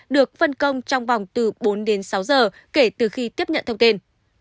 được phân công trong vòng từ bốn đến sáu giờ kể từ khi tiếp nhận thông tin